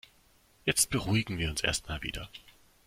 Jetzt beruhigen wir uns erst mal wieder.